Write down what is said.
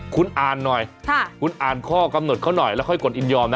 คุณอ่านหน่อยคุณอ่านข้อกำหนดเขาหน่อยแล้วค่อยกดอินยอมนะ